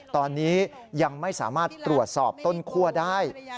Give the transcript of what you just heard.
ตอนนี้ยังไม่สามารถตรวจสอบต้นคั่วได้